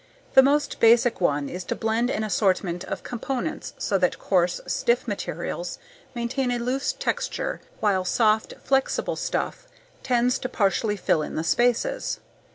The most basic one is to blend an assortment of components so that coarse, stiff materials maintain a loose texture while soft, flexible stuff tends to partially fill in the spaces.